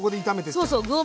そうそう。